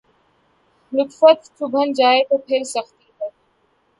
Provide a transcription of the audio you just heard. لطافت چھن جائے تو پھر سختی ہے۔